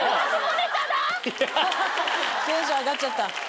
ハハハテンション上がっちゃった。